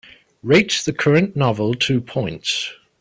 Rate the current novel two points